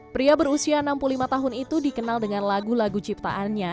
pria berusia enam puluh lima tahun itu dikenal dengan lagu lagu ciptaannya